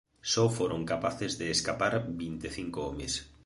Só foron capaces de escapar vinte cinco homes.